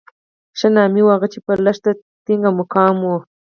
ښه نامي هغه وو چې په لښته ټینګ او مقاوم وو.